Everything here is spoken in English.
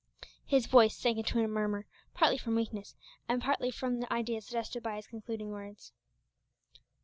His voice sank into a murmur, partly from weakness and partly from the ideas suggested by his concluding words.